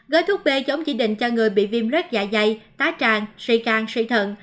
gói thuốc b giống chỉ định cho người bị viêm rớt dạ dày tá tràn sỉ can sỉ thận